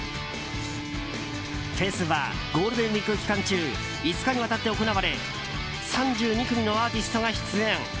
フェスはゴールデンウィーク期間中５日にわたって行われ３２組のアーティストが出演。